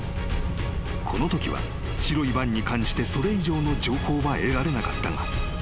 ［このときは白いバンに関してそれ以上の情報は得られなかったが］